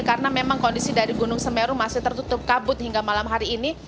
karena memang kondisi dari gunung semeru masih tertutup kabut hingga malam hari ini